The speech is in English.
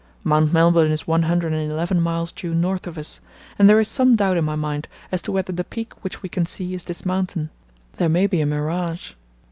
Mount Melbourne is one hundred and eleven miles due north of us, and there is some doubt in my mind as to whether the peak which we can see is this mountain. There may be a mirage....